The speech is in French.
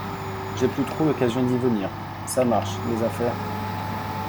j’ai plus trop l’occasion d’y venir. Ça marche, les affaires ?